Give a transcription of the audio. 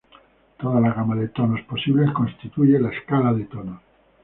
Toda la gama de tonos posibles constituye la escala de tonos.